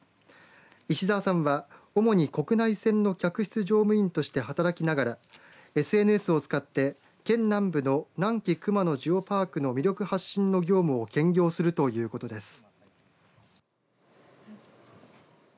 石澤さんは主に国内線の客室乗務員として働きながらＳＮＳを使って県南部の南紀熊野ジオパークの魅力発信の業務を兼業するということです。